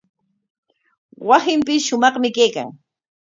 Wasinpis shumaqmi kaykan.